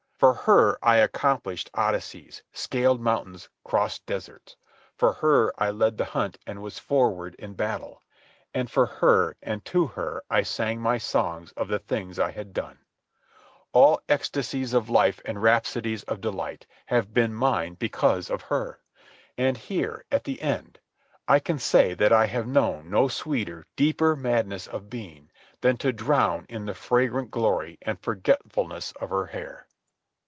For her I accomplished Odysseys, scaled mountains, crossed deserts; for her I led the hunt and was forward in battle; and for her and to her I sang my songs of the things I had done. All ecstasies of life and rhapsodies of delight have been mine because of her. And here, at the end, I can say that I have known no sweeter, deeper madness of being than to drown in the fragrant glory and forgetfulness of her hair.